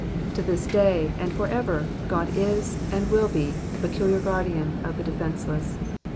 To this day and for ever, God is, and will be, the peculiar guardian of the defenceless.